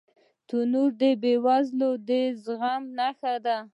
تنور د بې وزلۍ د زغم نښه ده